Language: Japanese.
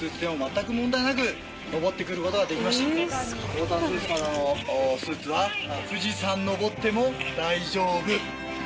オーダースーツＳＡＤＡのスーツは富士山登っても大丈夫！